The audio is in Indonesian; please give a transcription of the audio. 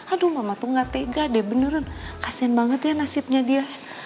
aduh mama tuh gak tega dia beneran kasian banget ya nasibnya dia